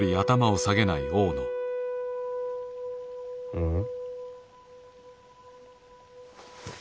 うん？